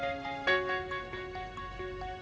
kepada anak anak yang berusia tiga belas tahun